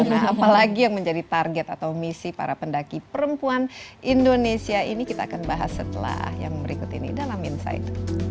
nah apalagi yang menjadi target atau misi para pendaki perempuan indonesia ini kita akan bahas setelah yang berikut ini dalam insight